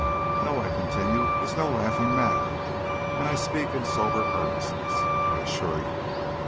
"No," I continued, "it's no laughing matter; and I speak in sober earnest, I assure you.